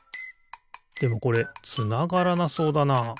でもこれつながらなそうだな。